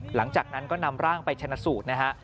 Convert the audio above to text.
หลังจากนั้นก็นำร่างไปชนะสูตรนะฮะ